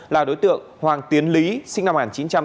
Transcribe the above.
là đối tượng hoàng tiến lý sinh năm một nghìn chín trăm tám mươi